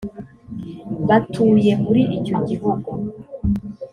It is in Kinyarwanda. batuye muri icyo gihugu